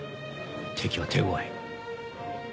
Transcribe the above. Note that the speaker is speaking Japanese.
敵は手ごわい。